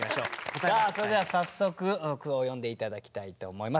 さあそれじゃあ早速句を読んで頂きたいと思います。